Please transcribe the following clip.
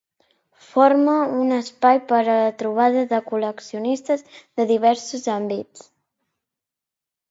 Forma un espai per a la trobada de col·leccionistes de diversos àmbits.